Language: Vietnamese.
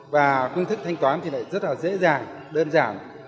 và phương thức thanh toán thì lại rất là dễ dàng đơn giản